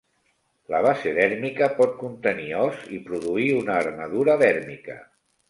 La base dèrmica pot contenir os i produir una armadura dèrmica.